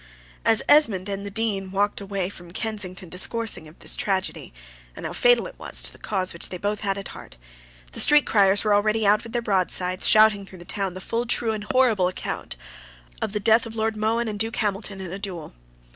As Esmond and the Dean walked away from Kensington discoursing of this tragedy, and how fatal it was to the cause which they both had at heart, the street criers were already out with their broadsides, shouting through the town the full, true, and horrible account of the death of Lord Mohun and Duke Hamilton in a duel.